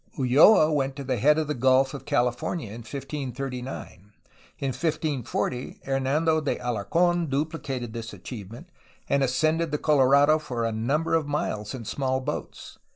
Ulloa went to the head of the Gulf of California in 1539. In 1540 Hernando de Alarc6n duplicated this achievement, and ascended the Colorado for a number of miles in small boats.